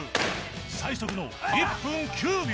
最速の１分９秒